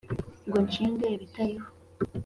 Ngo nshinge ibitariho